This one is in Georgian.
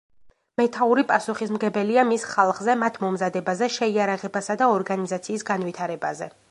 მეთაური პასუხისმგებელია მის ხალხზე, მათ მომზადებაზე, შეიარაღებასა და ორგანიზაციის განვითარებაზე.